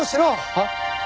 はっ？